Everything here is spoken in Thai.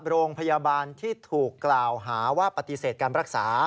โรงพยาบาลที่ถูกกล่าวหาว่าปฏิเสธการรักษา